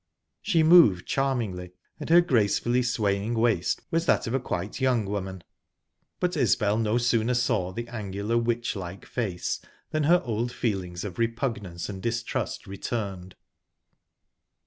She moved charmingly, and her gracefully swaying waist was that of a quite young woman, but Isbel no sooner saw the angular, witchlike face than her old feelings of repugnance and distrust returned.